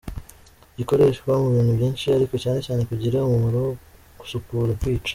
gikoreshwa mu bintu byinshi ariko cyane cyane kigira umumaro wo gusukura, kwica